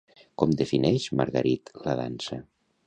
Com defineix Margarit la dansa?